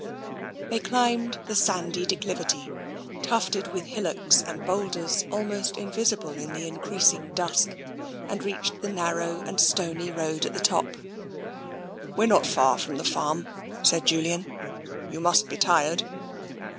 '* They climbed the sandy declivity, tufted with hill ocks and boulders almost invisible in the increasing dusk, and reached the narrow and stony road at the top. "We are not far from the farm," said Julian. " You must be tired."